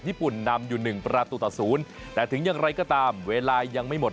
ญี่ปุ่นนำอยู่๑ประตูต่อศูนย์แต่ถึงอย่างไรก็ตามเวลายังไม่หมด